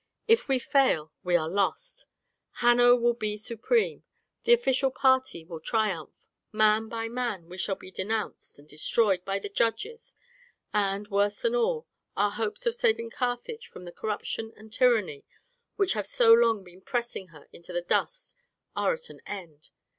If we fail, we are lost; Hanno will be supreme, the official party will triumph, man by man we shall be denounced and, destroyed by the judges, and, worse than all, our hopes of saving Carthage from the corruption and tyranny which have so long been pressing her into the dust are at an end.